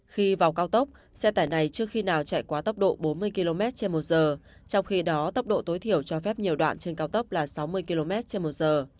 khi vào cao tốc xe tải này trước khi nào chạy quá tốc độ bốn mươi km trên một giờ trong khi đó tốc độ tối thiểu cho phép nhiều đoạn trên cao tốc là sáu mươi km trên một giờ